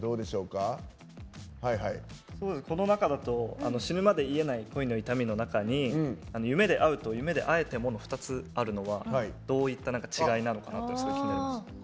この中だと「死ぬまで癒えない恋の痛み」の中に「夢で逢う」と「夢で逢えても」の２つがあるのはどういった違いなのかなって。